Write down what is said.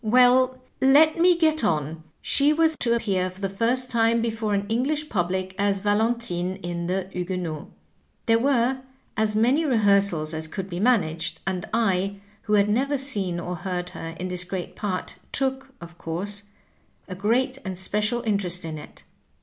"Well, let me get on. She was to appear for the Digitized by VjOOQIC THE ACTION TO THE WORD. 127 first time before an English pubUc as Valentine in the * Huguenots.' There were as many rehearsals as could be managed, and I, who had never seen or heard her in this great part, took, of course, a great and special inter est in it.